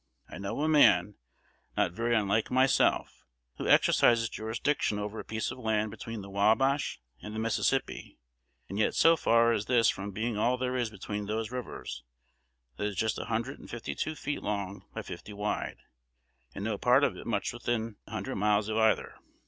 I know a man, not very unlike myself, who exercises jurisdiction over a piece of land between the Wabash and the Mississippi; and yet so far is this from being all there is between those rivers, that it is just a hundred and fifty two feet long by fifty wide, and no part of it much within a hundred miles of either.